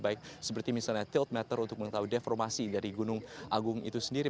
baik seperti misalnya tild matter untuk mengetahui deformasi dari gunung agung itu sendiri